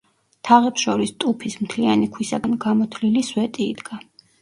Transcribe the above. თაღებს შორის ტუფის მთლიანი ქვისაგან გამოთლილი სვეტი იდგა.